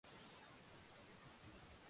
ya watawa Wa Benedikto na nyingine iko Hanga